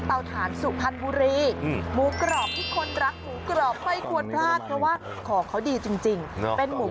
เวลาสับหมูกรอบกรอบไม่กรอบให้ฟัง